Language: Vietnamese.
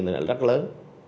là rất lớn